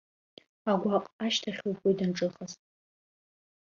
Агәаҟ, ашьҭахьоуп уи данҿыхаз.